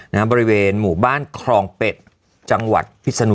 นะครับบริเวณหมู่บ้านครองเป็ด